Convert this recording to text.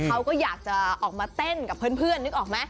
เขาก็อยากจะออกมาเต้นกับเพื่อนนึกออกไหม